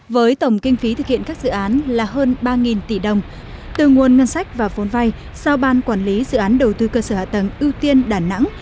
với tổng kinh phí thực hiện các dự án là hơn ba tỷ đồng từ nguồn ngân sách và vốn vay sau ban quản lý dự án đầu tư cơ sở hạ tầng ưu tiên đà nẵng